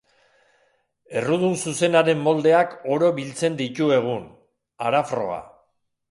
Errudun zuzenaren moldeak oro biltzen ditu egun, hara froga.